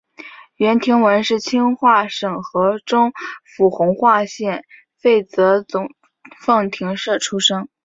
阮廷闻是清化省河中府弘化县沛泽总凤亭社出生。